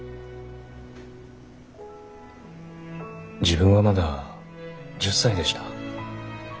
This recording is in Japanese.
自分はまだ１０歳でした。